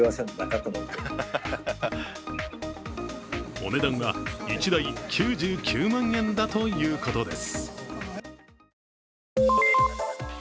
お値段は１台９９万円だということです。